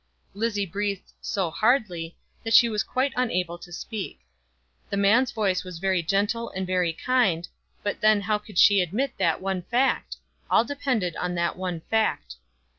Lizzie breathed so hardly, that she was quite unable to speak. The man's voice was very gentle and very kind, but then how could she admit that one fact? All depended on that one fact.